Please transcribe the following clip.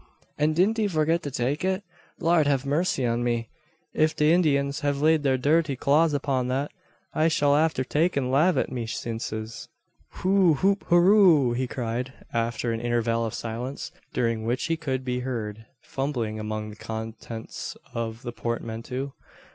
And didn't he forget to take it? Lard have mercy on me! If the Indyins have laid their dhirty claws upon that I shall be afther takin' lave at me sinses." "Hoo hoop hoorro!" he cried, after an interval of silence, during which he could be heard fumbling among the contents of the portmanteau.